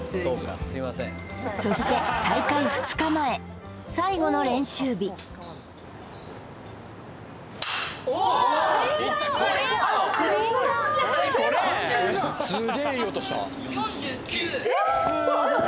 そして大会２日前最後の練習日おっいった！